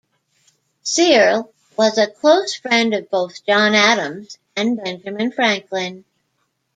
Searle was a close friend of both John Adams and Benjamin Franklin.